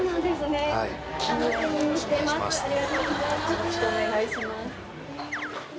よろしくお願いします